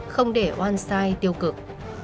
không để oan sai tiêu cực